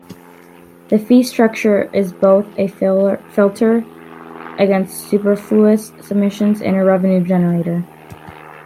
The fee structure is both a filter against superfluous submissions and a revenue generator.